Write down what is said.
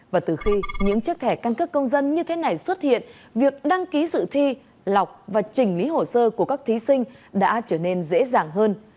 và từ khi những chiếc thẻ căn cước công dân như thế này xuất hiện việc đăng ký dự thi lọc và chỉnh lý hồ sơ của các thí sinh đã trở nên dễ dàng hơn